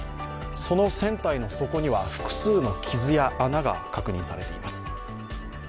その船体の底には複数の傷や穴が確認されています。